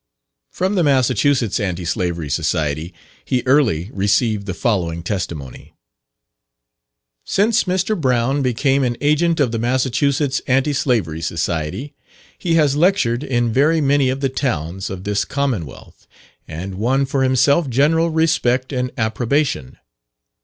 From the Massachusetts Anti Slavery Society he early received the following testimony: "Since Mr. Brown became an agent of the Massachusetts Anti Slavery Society, he has lectured in very many of the towns of this Commonwealth, and won for himself general respect and approbation.